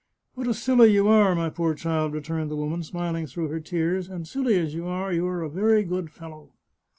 " What a silly you are, my poor child !" returned the woman, smiling through her tears ;" and silly as you are, you are a very good fellow."